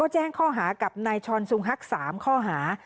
แจ้งข้อหากับนายชอนซุงฮัก๓ข้อหา